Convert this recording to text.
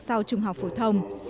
sau trung học phổ thông